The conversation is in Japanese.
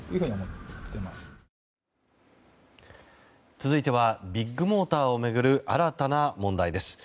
続いてはビッグモーターを巡る新たな問題です。